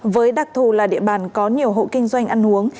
với đặc thù là địa bàn có nhiều hộ kinh doanh ăn uống